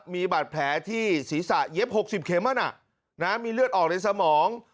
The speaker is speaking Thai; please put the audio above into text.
มีบาดแผลที่ศีรษะเย็บ๖๐เข็มมีเลือดออกในสมอง